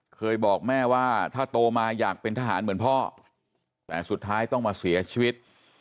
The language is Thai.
เคยบอกแม่ว่าถ้าโตมาอยากเป็นทหารเหมือนพ่อแต่สุดท้ายต้องมาเสียชีวิต